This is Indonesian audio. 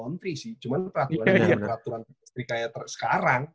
cuma peraturan peraturan kayak sekarang